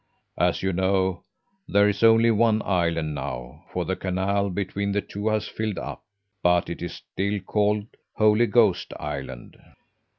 As you know, there is only one island now, for the canal between the two has filled up; but it is still called Holy Ghost Island.